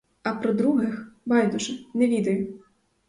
А про других — байдуже, не відаю.